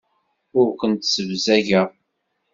Ur kent-ssebzageɣ.